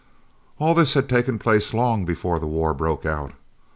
All this had taken place long before the war broke out.